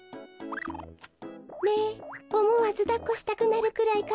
ねえおもわずだっこしたくなるくらいかわいいでしょう。